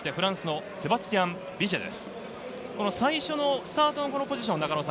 最初のスタートはこのポジション。